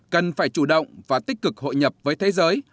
cần phải chủ động và tích cực hội nhập với thế giới